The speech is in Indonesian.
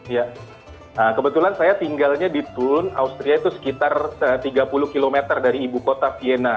iya kebetulan saya tinggalnya di tulln austria itu sekitar tiga puluh km dari ibukota vienna